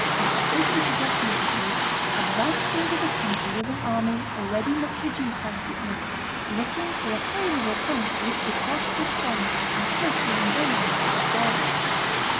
after taking possession of the place, advanced into the country with an army already much reduced by sickness, looking for a favorable point at which to cross the Somme and push his invasion still farther.